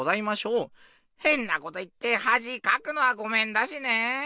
へんなこと言ってはじかくのはごめんだしね。